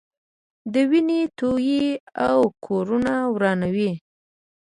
وینې تویوي او کورونه ورانوي.